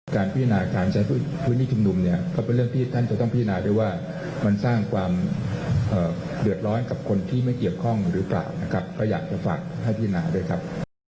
การพิจารณาการใช้พื้นที่ชุมนุมเนี่ยก็เป็นเรื่องที่ท่านจะต้องพินาด้วยว่ามันสร้างความเดือดร้อนกับคนที่ไม่เกี่ยวข้องหรือเปล่านะครับก็อยากจะฝากให้พินาด้วยครับ